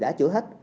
đã chữa hết